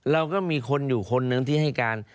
เราก็มีคนอยู่คนนึงที่ให้การ